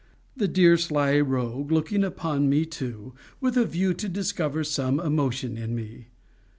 The dear sly rogue looking upon me, too, with a view to discover some emotion in me.